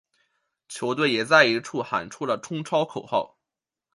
球队也再一次喊出了冲超口号。